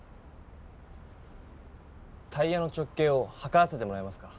タイヤの直径をはからせてもらえますか？